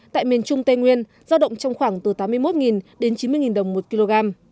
tại miền trung tây nguyên giao động trong khoảng từ tám mươi một đến chín mươi đồng một kg